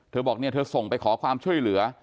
เธอบอกเธอส่งไปขอความช่วยเหลือ